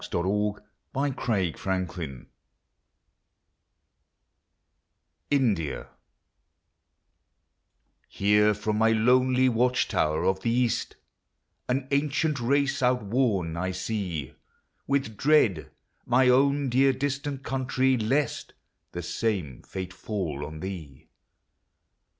PRELUDES INDIA Here from my lonely watch tower of the East An ancient race outworn I see— With dread, my own dear distant Country, lest The same fate fall on thee.